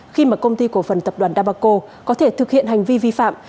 khi mà công ty cổ phần tập đoàn đa bà cô có thể thực hiện hành vi vi phạm